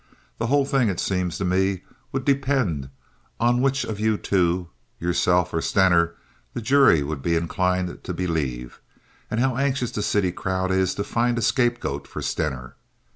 The whole thing, it seems to me, would depend on which of you two—yourself or Stener—the jury would be inclined to believe, and on how anxious this city crowd is to find a scapegoat for Stener.